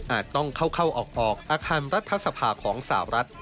ต้องเข้าออกอาคารรัฐสภาของสาวรัฐ